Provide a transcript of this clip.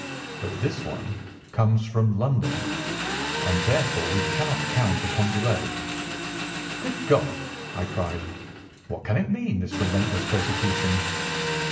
But this one comes from London, and therefore we cannot count upon delay." "Good God!" I cried. "What can it mean, this relentless persecution?"